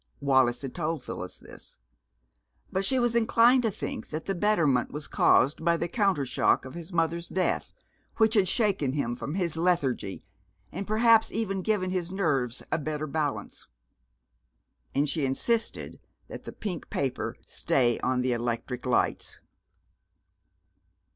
Wallis had told Phyllis this. But she was inclined to think that the betterment was caused by the counter shock of his mother's death, which had shaken him from his lethargy, and perhaps even given his nerves a better balance. And she insisted that the pink paper stay on the electric lights.